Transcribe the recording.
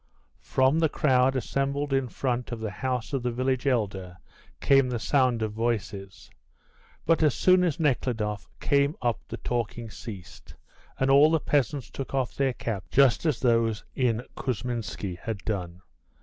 From the crowd assembled in front of the house of the village elder came the sound of voices; but as soon as Nekhludoff came up the talking ceased, and all the peasants took off their caps, just as those in Kousminski had done.